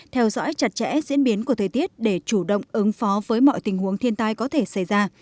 theo dõi chặt chẽ diễn biến của thời tiết để chủ động ứng phó với mọi tình huống thiên tai có thể xảy ra